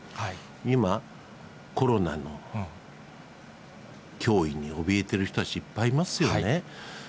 今、コロナの脅威におびえている人たち、いっぱいいますよね。